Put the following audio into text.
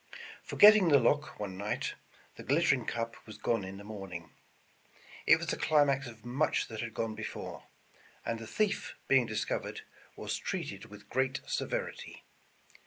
Forgetting the lock one night, the glittering cup was gone in the morning. It was the climax of much that had gone before, and the thief being discovered, was treated w^ith great severity.